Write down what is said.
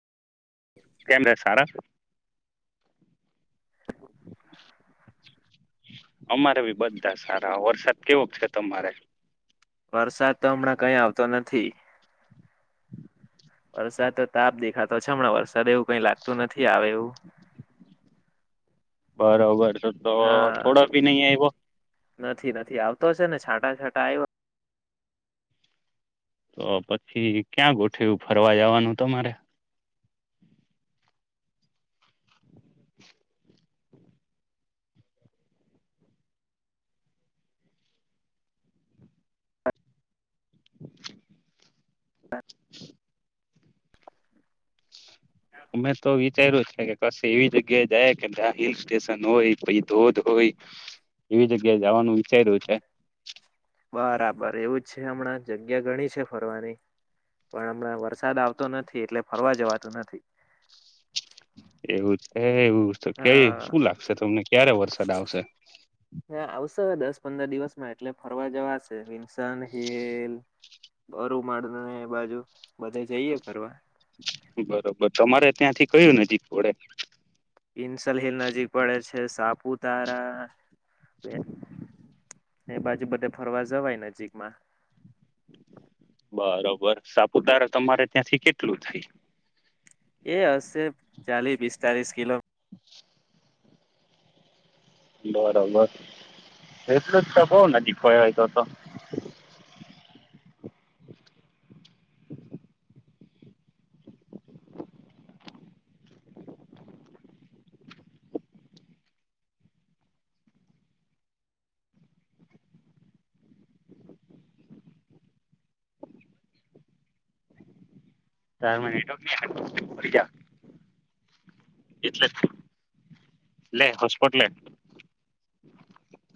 કેમરે સારા અમારે બી બધા સારા વરસાદ કેવો છે તમારે વરસાદ તો હમણાં કઈ આવતો નથી વરસાદ તો તાપ દેખાતો છે હમણાં વરસાદ એવું કઈ લાગતું નથી આવે એવું બરોબર અ તો હા થોડા ભી નહીં આવ્યો નથી નથી આવતો છે ને છાંટા છાંટા આવ્યો તો પછી ક્યાં ગોઠુંયુ ફરવા જવાનું તમારે [inaudible] અમે તો વિચાર્યું છે કે કશી એવી જગ્યાએ જાય કે ત્યા હિલ સ્ટેશન હોય પછી ધોધ હોય એવી જ જગ્યા જવાનું વિચાર્યું છે બરાબર એવું જ છે હમણાં જગ્યા ઘણી છે ફરવાની પણ હમણાં વરસાદ આવતો નથી એટલે ફરવા જવાતુ નથી એવું છે એવું કે હા શું લાગશે તમને ક્યારે વરસાદ આવશે આવશે દસ પંદર દિવસમાં એટલે ફરવા જવાશે વિસ હલ અરુ મા બાજુ બધે જઈએ ફરવા બરોબર તમારે ત્યાંથી કયું નજીક પડે વિનસન હિલ નજીક પડે છે સાપુતારા બેર ને એ બાજુ બધે ફરવા જવાય નજીકમાં બરોબર સાપુતારા તમારે ત્યાંથી કેટલું થાય. એ હશે ચાલી પિસ્તાલીસ કિલો બરોબર એટલું જ તો બઉ નજીક કેવાય તો તો [inaudible] [inaudible]